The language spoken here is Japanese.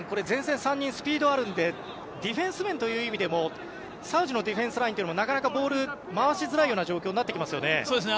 前線３人がスピードあるのでディフェンス面という意味でもサウジのディフェンスラインなかなかボールを回しづらいような状況になってきますよね。